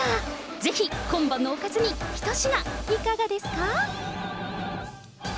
ぜひ今晩のおかずに１品、いかがですか。